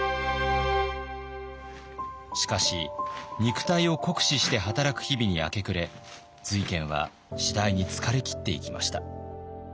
しかし肉体を酷使して働く日々に明け暮れ瑞賢は次第に疲れ切っていきました。